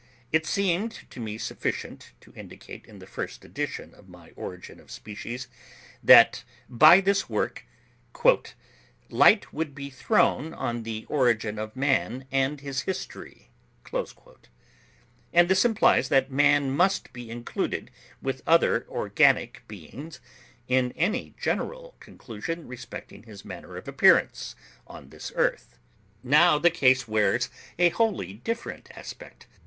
It seemed to me sufficient to indicate, in the first edition of my 'Origin of Species,' that by this work "light would be thrown on the origin of man and his history;" and this implies that man must be included with other organic beings in any general conclusion respecting his manner of appearance on this earth. Now the case wears a wholly different aspect.